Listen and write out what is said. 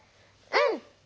うん！